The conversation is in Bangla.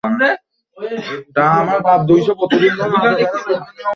আবুল খায়ের স্টিল মিলস লিমিটেডের সহযোগিতায় এসব কর্মসূচি পালন করা হয়।